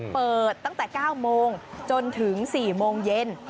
เปิดตั้งแต่๙โมงจนถึง๔โมงเย็น